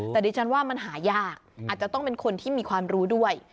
แต่ดิฉันว่ามันหายากอาจจะต้องเป็นคนที่มีความรู้ด้วย